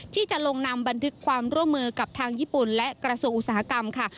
ที่จะลงนำบันทึกความร่วมมือกับทางญี่ปุ่นและกระทรวงอุตสาหกรรมค่ะ